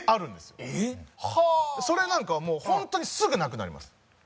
それなんかは本当にすぐなくなります。